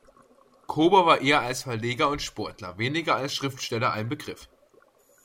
Kober war eher als Verleger und Sportler, weniger als Schriftsteller ein Begriff.